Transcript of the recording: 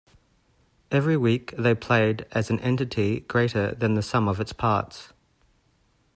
Every week, they played as an entity greater than the sum of its parts.